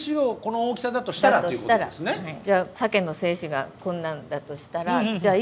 じゃあサケの精子がこんなんだとしたらあ